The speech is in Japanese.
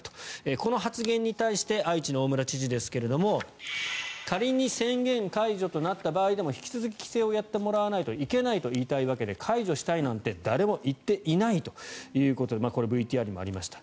この発言に対して愛知の大村知事ですが仮に宣言解除となった場合でも引き続き規制をやってもらわないといけないといいたいわけで解除したいなんて誰も言っていないということでこれはＶＴＲにもありました。